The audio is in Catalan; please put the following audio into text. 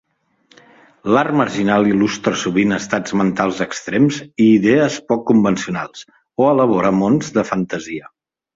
L'art marginal il·lustra sovint estats mentals extrems i idees poc convencionals, o elabora mons de fantasia.